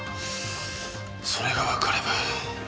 それがわかれば。